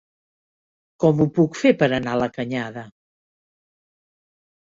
Com ho puc fer per anar a la Canyada?